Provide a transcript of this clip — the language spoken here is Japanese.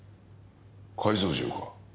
改造銃か？